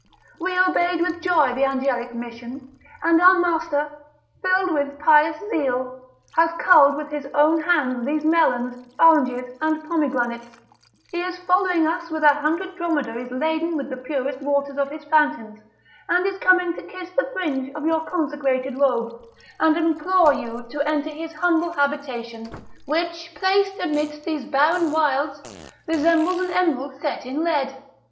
We obeyed with joy the angelic mission, and our master, filled with pious zeal, hath culled with his own hands these melons, oranges, and pomegranates; he is following us with a hundred dromedaries laden with the purest waters of his fountains, and is coming to kiss the fringe of your consecrated robe, and implore you to enter his humble habitation, which, placed amidst these barren wilds, resembles an emerald set in lead."